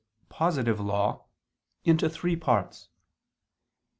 positive law, into three parts.